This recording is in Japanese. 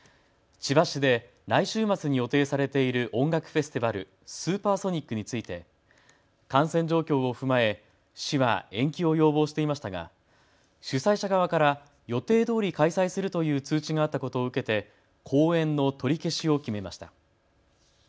千葉市で来週末に予定されている音楽フェスティバル、スーパーソニックについて感染状況を踏まえ市は延期を要望していましたが主催者側から予定どおり開催するという通知があったことを受けて後援の取り消しを決めました。